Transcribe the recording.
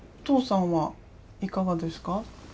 父さんはいかがですか？